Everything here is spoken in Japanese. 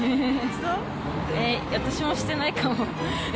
私もしてないかも。